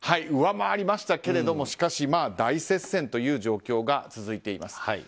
上回りましたけれども大接戦という状況が続いています。